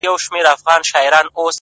• د گناهونو شاهدي به یې ویښتان ورکوي؛